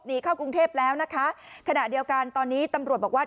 เข้ากรุงเทพแล้วนะคะขณะเดียวกันตอนนี้ตำรวจบอกว่า